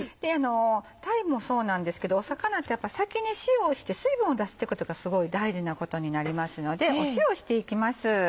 鯛もそうなんですけど魚ってやっぱり先に塩をして水分を出すってことがすごい大事なことになりますので塩をしていきます。